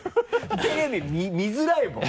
テレビ見づらいもん。